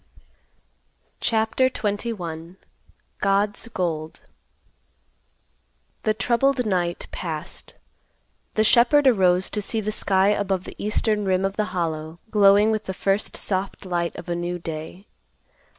CHAPTER XXI. GOD'S GOLD. The troubled night passed. The shepherd arose to see the sky above the eastern rim of the Hollow glowing with the first soft light of a new day.